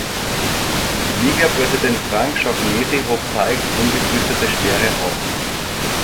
Ligapräsident Frank Shaughnessy hob Tighes unbefristete Sperre auf.